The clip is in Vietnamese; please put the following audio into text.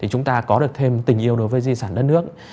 chúng ta có được thêm tình yêu đối với di sản đất nước